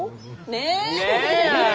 ねえ！